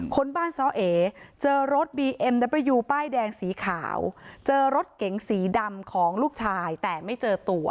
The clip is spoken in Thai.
คนบ้านซ้อเอเจอรถบีเอ็มดับประยูป้ายแดงสีขาวเจอรถเก๋งสีดำของลูกชายแต่ไม่เจอตัว